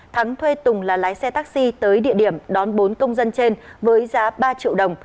thắng thuê tùng là lái xe taxi tới địa điểm đón bốn công dân trên với giá ba triệu đồng